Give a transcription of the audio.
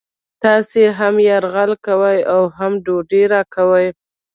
تاسې هم یرغل کوئ او هم ډوډۍ راکوئ